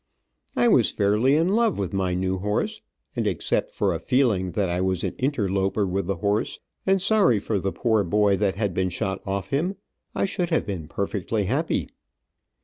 I was fairly in love with my new horse, and, except for a feeling that I was an interloper with the horse, and sorry for the poor boy that had been shot off him, I should have been perfectly happy.